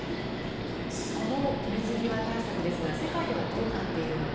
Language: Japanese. その水際対策ですが世界ではどうなっているのか。